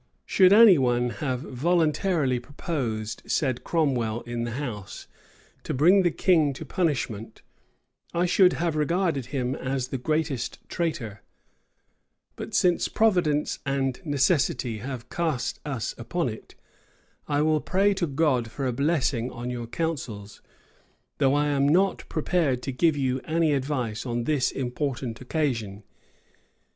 "Should any one have voluntarily proposed," said Cromwell in the house, "to bring the king to punishment, I should have regarded him as the greatest traitor; but since Providence and necessity have cast us upon it, I will pray to God for a blessing on your counsels; though I am not prepared to give you any advice on this important occasion.